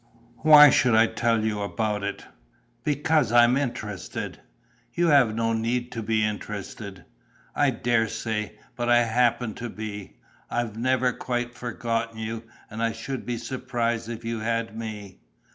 "Why should I tell you about it?" "Because I'm interested." "You have no need to be interested." "I dare say, but I happen to be. I've never quite forgotten you. And I should be surprised if you had me."